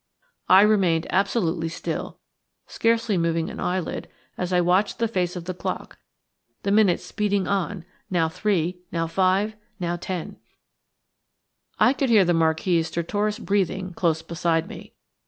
I remained absolutely still, scarcely moving an eyelid as I watched the face of the clock, the minutes speeding on–now three–now five–now ten– I could hear the Marquis' stertorous breathing close beside me.